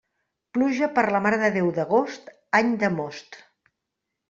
Pluja per la Mare de Déu d'agost, any de most.